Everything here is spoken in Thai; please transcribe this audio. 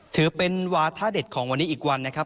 ถือเป็นวาท่าเด็ดของวันนี้อีกวันนะครับ